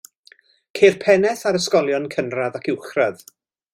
Ceir pennaeth ar ysgolion cynradd ac uwchradd.